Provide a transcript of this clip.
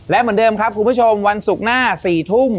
และเหมือนเดิมครับคุณผู้ชมวันศุกร์หน้า๔ทุ่ม